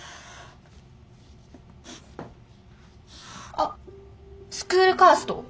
あっスクールカースト。